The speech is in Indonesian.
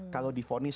kalau di fonitik